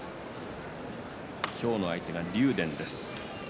今日の相手は竜電です。